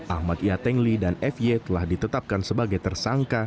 ahmad yatengli dan f y telah ditetapkan sebagai tersangka